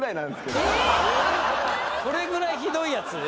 何それそれぐらいひどいやつ？